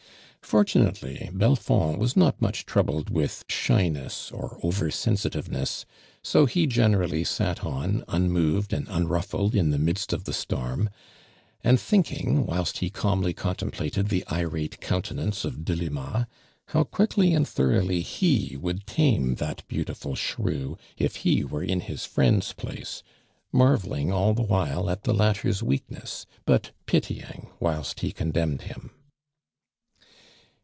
Fortunately Belfond was not much trou bled with shyness or over sensitiveness, so he generally sat on, unmoved and unruf fled in the midst of the storm, and thinking, whilst ho cilmly contemplated the irato countenance of Delima, how quickly and thoroughly ho would tamo that beautiful shrew if ho were in his friend's place, mar velling all the while at the hitter's weakness, but pitying whilst he condemned him.